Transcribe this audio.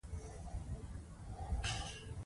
غوماشې کله هم د خوب له ځایه نه وځي.